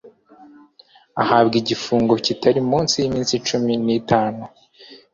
ahabwa igifungo kitari munsi y'iminsi cumi n'itanu